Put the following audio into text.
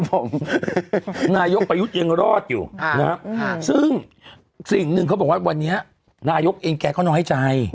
ผมนายกประยุทธ์ยังรอดอยู่นะครับซึ่งสิ่งหนึ่งเขาบอกว่าวันนี้นายกเองแกก็น้อยใจ